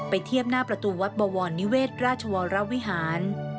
เทียบหน้าประตูวัดบวรนิเวศราชวรวิหาร